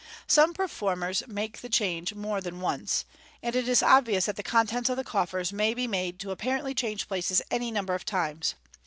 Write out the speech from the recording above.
Some performers make the change more than once, and it is obvious that the contents of the coffers may be made to apparently change places any number of times.